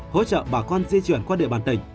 hỗ trợ bà con di chuyển qua địa bàn tỉnh